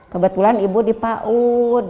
kebetulan ibu di paud